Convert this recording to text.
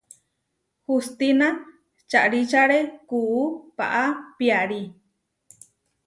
Hustína čaríčare kuú paá piarí.